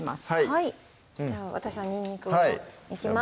はいじゃあ私はにんにくをむきます